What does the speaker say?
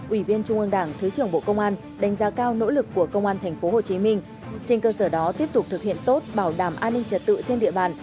ủy viên trung ương đảng thứ trưởng bộ công an đánh giá cao nỗ lực của công an tp hcm trên cơ sở đó tiếp tục thực hiện tốt bảo đảm an ninh trật tự trên địa bàn